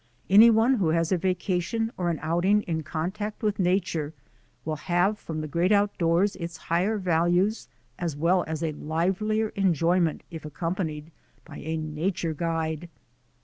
Any one who has a vacation or an outing in contact with nature will have from the great outdoors its higher values as well as a livelier enjoyment if ac companied by a nature guide.